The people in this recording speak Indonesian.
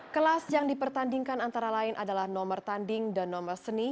kelas yang dipertandingkan antara lain adalah nomor tanding dan nomor seni